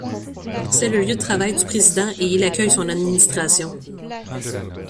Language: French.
C'est le lieu de travail du Président et il accueille son administration.